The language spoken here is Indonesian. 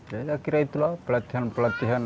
ya kira kira itulah pelatihan pelatihan